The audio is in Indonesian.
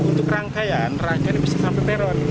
untuk rangkaian rangkaian bisa sampai teror